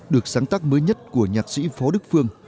được sáng tác mới nhất của nhạc sĩ phó đức phương